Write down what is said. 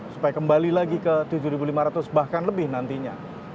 supaya kembali lagi ke tujuh lima ratus bahkan lebih nantinya